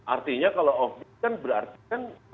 artinya kalau off beat kan berarti kan